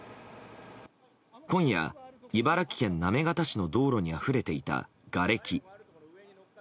今夜、茨城県行方市の道路にあふれていた、がれき。